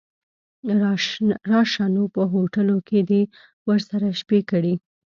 راشه نو په هوټلو کې دې ورسره شپې کړي.